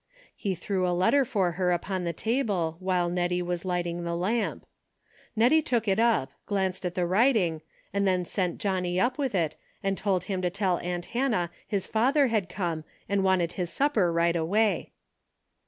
He threw a letter for her upon the table while Nettie was lighting the lamp. Nettie took it up, glanced at the writing, and then sent Johnnie up with it and told him to tell aunt Hannah his father had come and wanted his supper right away.